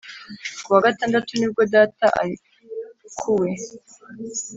Ku wa gatandatu ni bwo data arekuwe